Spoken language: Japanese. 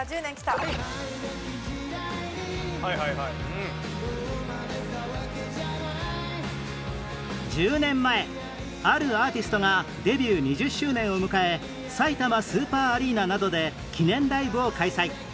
「愛なき時代に生まれたわけじゃない」１０年前あるアーティストがデビュー２０周年を迎えさいたまスーパーアリーナなどで記念ライブを開催